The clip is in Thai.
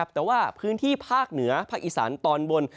แต่ว่าพื้นที่ภาคเหนือภาคอีสานตอนบน